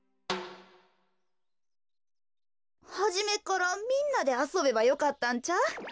はじめっからみんなであそべばよかったんちゃう？